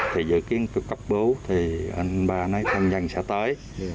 thì dự kiến cấp bố thì anh ba nói thân dân sẽ tới